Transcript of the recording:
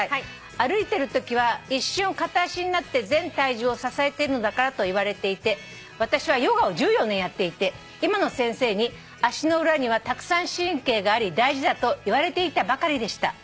「『歩いているときは一瞬片足になって全体重を支えてるのだから』と言われていて私はヨガを１４年やっていて今の先生に『足の裏にはたくさん神経があり大事だ』と言われていたばかりでした」